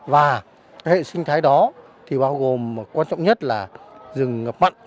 và hệ sinh thái đó thì bao gồm quan trọng nhất là rừng ngập mặn